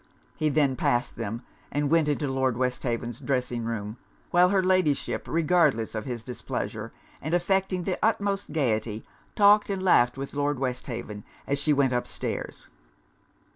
He then passed them, and went into Lord Westhaven's dressing room; while her Ladyship, regardless of his displeasure, and affecting the utmost gaity, talked and laughed with Lord Westhaven as she went up stairs.